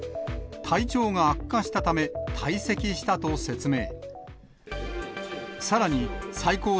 体調が悪化したため、退席したと説明。